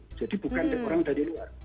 jadi bukan orang dari luar